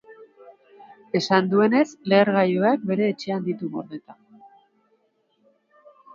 Esan duenez, lehergailuak bere etxean ditu gordeta.